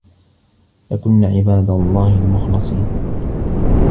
لَكُنّا عِبادَ اللَّهِ المُخلَصينَ